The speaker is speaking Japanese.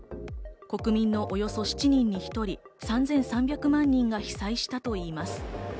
国民のおよそ７人に１人、３３００万人が被災したといいます。